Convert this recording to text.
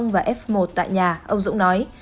và f một tại nhà ông dũng nói